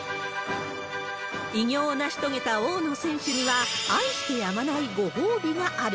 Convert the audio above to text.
偉業を成し遂げた大野選手には、愛してやまないご褒美がある。